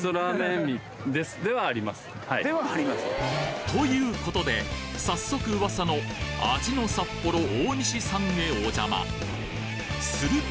ではあります？ということで早速噂の味の札幌大西さんへお邪魔すると！